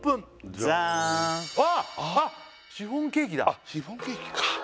ザーンあっシフォンケーキだあっシフォンケーキか